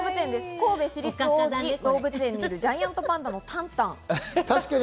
神戸市立王子動物園にいるジャイアントパンダのタンタン。